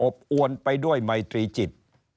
อบอวนไปด้วยไมตรีจิต